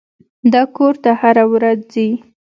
دا کور ته هره ورځ ځي.